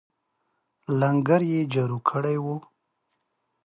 لنګر یې جاري کړی وو.